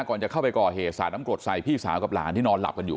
ก่อนจะเข้าไปก่อเหตุสาดน้ำกรดใส่พี่สาวกับหลานที่นอนหลับกันอยู่